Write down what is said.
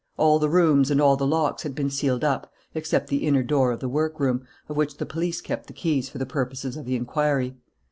All the rooms and all the locks had been sealed up, except the inner door of the workroom, of which the police kept the keys for the purposes of the inquiry.